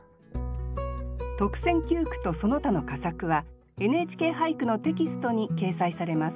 特選九句とその他の佳作は「ＮＨＫ俳句」のテキストに掲載されます。